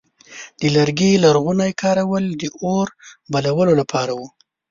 د لرګي لرغونی کارول د اور بلولو لپاره و.